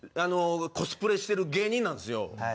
コスプレしてる芸人なんですよ。